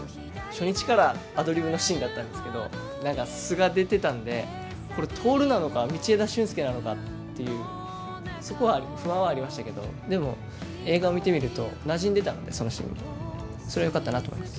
初日からアドリブのシーンだったんですけど、なんか素が出てたんで、これ、透なのか、道枝駿佑なのかっていう、そこは、不安はありましたけど、でも、映画を見てみると、なじんでたので、そのシーン。